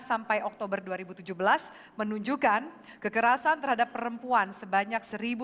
sampai oktober dua ribu tujuh belas menunjukkan kekerasan terhadap perempuan sebanyak satu lima ratus